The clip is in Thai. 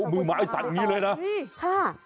มึงมาไอ้สัตว์อย่างนี้เลยนะ